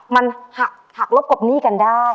มันหักลบกบหนี้กันได้